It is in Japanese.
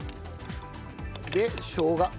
でしょうが。